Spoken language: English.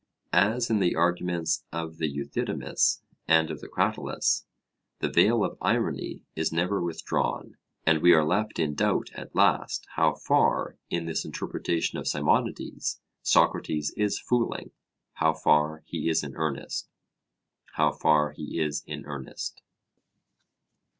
As in the arguments of the Euthydemus and of the Cratylus, the veil of irony is never withdrawn; and we are left in doubt at last how far in this interpretation of Simonides Socrates is 'fooling,' how far he is in earnest.